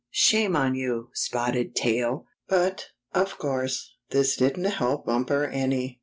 Shame on you. Spotted Tail!" But, of course, this didn't help Bumper any.